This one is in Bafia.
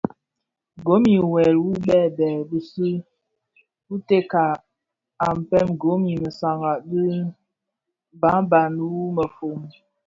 Gom i wuel u bèbèn bisu u teka a mpën gom I mësaga dhi mgbagban wu mefom.